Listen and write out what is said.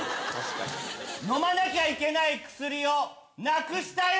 飲まなきゃいけない薬をなくしたよ！